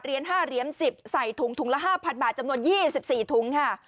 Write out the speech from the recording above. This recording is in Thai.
๕เหรียญ๑๐ใส่ถุงถุงละ๕๐๐บาทจำนวน๒๔ถุงค่ะ